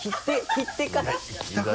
切ってから。